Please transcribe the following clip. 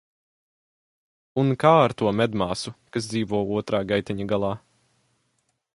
Un kā ar to medmāsu, kas dzīvo otrā gaiteņa galā?